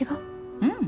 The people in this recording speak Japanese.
うん。